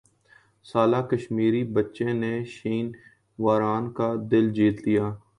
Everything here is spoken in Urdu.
سالہ کشمیری بچے نے شین وارن کا دل جیت لیا